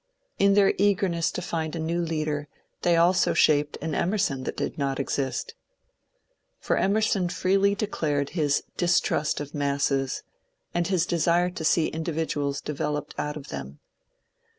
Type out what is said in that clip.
And in their eagerness to find a new leader they also shaped an Emerson that did not exist. For Emerson freely declared his ^^ distrust of masses/' and his desire to see individuals developed out of them.